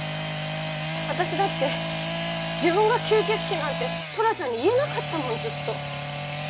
私だって自分が吸血鬼なんてトラちゃんに言えなかったもんずっと。